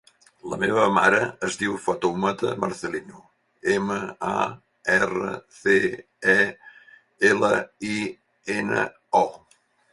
La meva mare es diu Fatoumata Marcelino: ema, a, erra, ce, e, ela, i, ena, o.